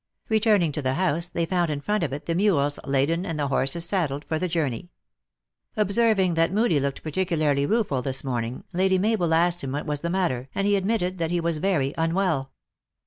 Returning to the house, they found in front of it the mules laden and the horses saddled for the jour ney. Observing that Moodie looked particularly rue ful this morning, Lady Mabel asked him what w r as the matter, and he admitted that he was very unwell.